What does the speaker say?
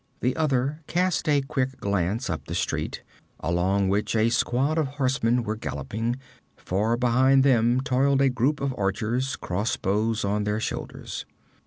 The other cast a quick glance up the street, along which a squad of horsemen were galloping; far behind them toiled a group of archers, crossbows on their shoulders.